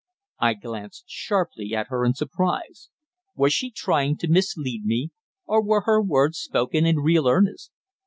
I glanced sharply at her in surprise. Was she trying to mislead me, or were her words spoken in real earnest?